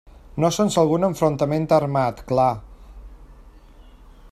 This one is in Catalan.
No sense algun enfrontament armat, clar.